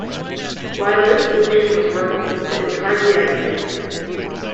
While this solution was workable, it was hardly ideal.